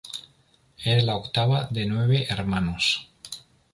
Era la octava de nueve hermanos.